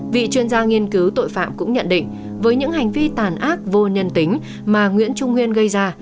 vị chuyên gia nghiên cứu tội phạm cũng nhận định với những hành vi tàn ác vô nhân tính mà nguyễn trung nguyên gây ra